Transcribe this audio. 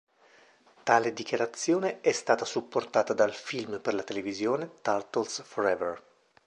Tale dichiarazione è stata supportata dal film per la televisione "Turtles Forever".